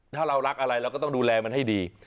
ถ้าเรารักอะไรเราก็ต้องดูแลมันให้ดี